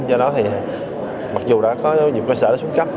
do đó thì mặc dù đã có nhiều cơ sở đã xuống cấp